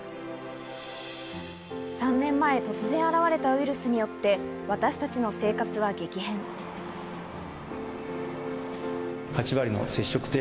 ３年前突然現れたウイルスによって私たちの生活は激変８割の接触低減。